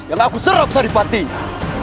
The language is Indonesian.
yang aku serap seripatinya